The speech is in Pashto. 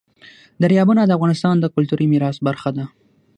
دریابونه د افغانستان د کلتوري میراث برخه ده.